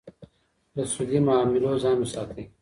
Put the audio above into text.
له سودي معاملو ځان وساتئ.